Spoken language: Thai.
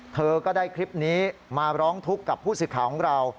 เธอก็ได้คลิปนี้มาร้องทุกข์กับผู้สื่อข่าวของเรา